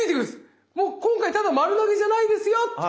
もう今回ただ丸投げじゃないですよ。